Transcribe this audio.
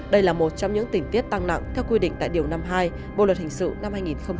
đây là một trong những tình tiết tăng nặng theo quy định tại điều năm mươi hai bộ luật hình sự năm hai nghìn một mươi năm